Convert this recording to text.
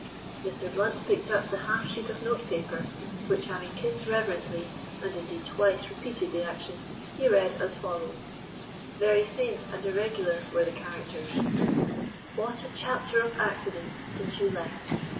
Mr. Blount picked up the half sheet of notepaper, which having kissed reverently, and indeed twice repeated the action, he read as follows. Very faint and irregular were the characters:— "What a chapter of accidents since you left!